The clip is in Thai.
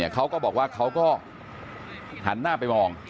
เขาก็บอกว่าเขาก็หันหน้าไปมอง